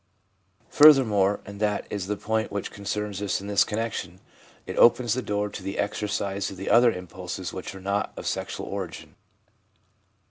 Furthermore, and that is the point which concerns us in this connection, it opens the door to the exercise of the other impulses which are not of sexual origin.